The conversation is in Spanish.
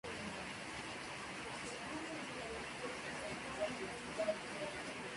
Boole estaba interesada en la parapsicología y lo oculto, y era un convencida espiritista.